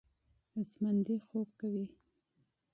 ژوندي خوب کوي